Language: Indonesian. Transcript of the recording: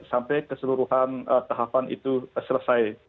sampai keseluruhan tahapan itu selesai